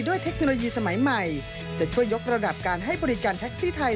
เทคโนโลยีสมัยใหม่จะช่วยยกระดับการให้บริการแท็กซี่ไทย